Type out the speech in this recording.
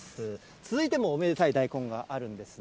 続いてもおめでたい大根があるんですね。